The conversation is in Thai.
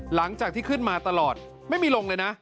หลังจากที่ขึ้นมาตลอดไม่มีลงเลยนะ